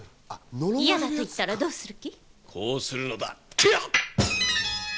嫌だと言ったらどうする気？